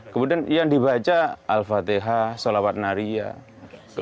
kemudian yang dibaca al fatihah sholawat nariyah